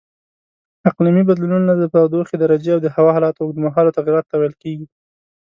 اقلیمي بدلونونه د تودوخې درجې او د هوا حالاتو اوږدمهالو تغییراتو ته ویل کېږي.